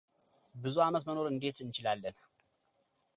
ብዙ ዓመት መኖር እንዴት እንችላለን?